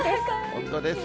本当です。